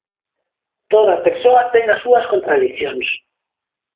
Toda persoa ten as súas contradicións.